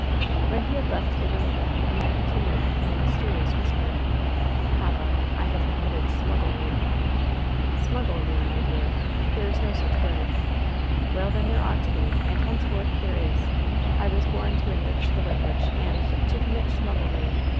When he had left the room again Wynnette continued in a mysterious whisper : "Papa, I have committed smu^lery." " ^Smugglery,' my dear. There's no such word." 'Well, then, there ought to be, and henceforth there is. I was bom to enrich the language, and — ^to commit smugglery.